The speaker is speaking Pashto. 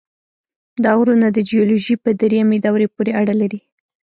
دا غرونه د جیولوژۍ په دریمې دورې پورې اړه لري.